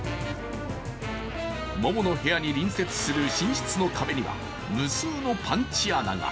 モモの部屋に隣接する寝室の壁には無数のパンチ穴が。